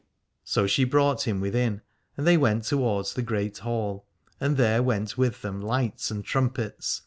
So she brought him within, and they went towards the great hall, and there went with them lights and trumpets.